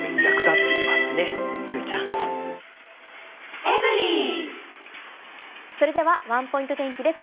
ｈｏｙｕそれでは、ワンポイント天気です。